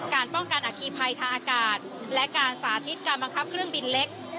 การป้องกันอาคีภัยทางอากาศและการสาธิตการบังคับเครื่องบินเล็ก